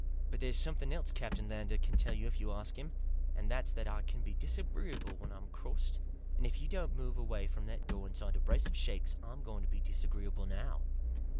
But there's something else Captain Lander can tell you if you ask him, and that's that I can be disagreeable when I'm crossed, and if you don't move away from that door inside a brace of shakes I'm going to be disagreeable now."